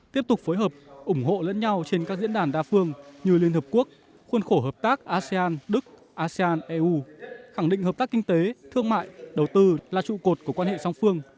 tiếp tục phối hợp ủng hộ lẫn nhau trên các diễn đàn đa phương như liên hợp quốc khuôn khổ hợp tác asean đức asean eu khẳng định hợp tác kinh tế thương mại đầu tư là trụ cột của quan hệ song phương